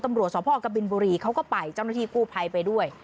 ตำรวจสพกบินบุรีเขาก็ไปเจ้าหน้าที่กู้ภัยไปด้วย